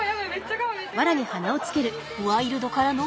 ワイルドからの？